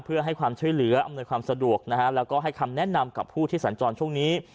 เพื่อให้ความช่วยเหลืออำนวยความสะดวกนะฮะแล้วก็ให้คำแนะนำกับผู้ที่สัญจรช่วงนี้